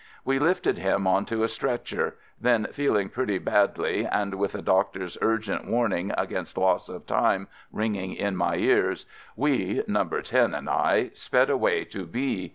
We lifted him on to a stretcher — then, feeling pretty badly, and with the doctor's urgent warning against loss of time ringing in my ears, we, "No. 10" and I, sped away to B